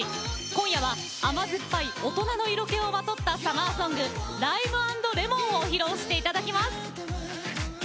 今夜は、甘酸っぱい大人の色気をまとったサマーソング「Ｌｉｍｅ＆Ｌｅｍｏｎ」を披露していただきます。